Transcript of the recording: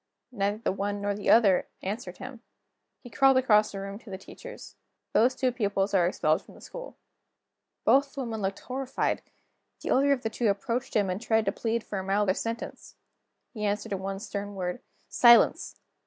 Neither the one nor the other answered him. He called across the room to the teachers: "Those two pupils are expelled the school." Both the women looked horrified. The elder of the two approached him, and tried to plead for a milder sentence. He answered in one stern word: "Silence!"